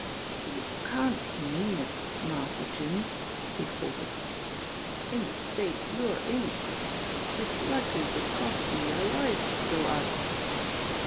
"You can't mean it, Master Jim," he faltered. "In the state you're in, sir, it's likely to cost you your life to go out."